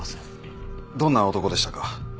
どんな男でしたか？